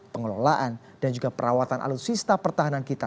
pengelolaan dan juga perawatan alutsista pertahanan kita